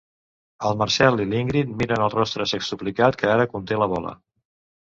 El Marcel i l'Ingrid miren el rostre sextuplicat que ara conté la bola.